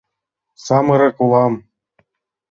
Самырык улам?